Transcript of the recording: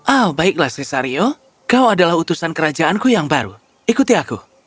oh baiklah cesario kau adalah utusan kerajaanku yang baru ikuti aku